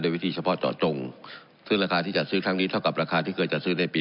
วิธีเฉพาะเจาะจงซึ่งราคาที่จัดซื้อครั้งนี้เท่ากับราคาที่เคยจัดซื้อในปี